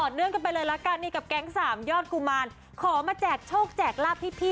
เนื่องกันไปเลยละกันนี่กับแก๊งสามยอดกุมารขอมาแจกโชคแจกลาบพี่